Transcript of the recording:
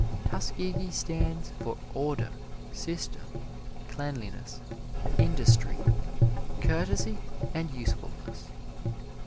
Tuskegee stands for order, system, cleanliness, industry, courtesy and usefulness.